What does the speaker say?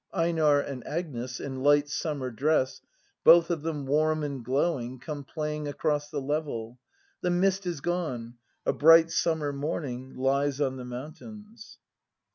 [EiNAR and Agnes, in light summer dress, both of tJiem warm and glowing, come playing across tlie level. The mist is gone; a bright summer morning lies on the mountains.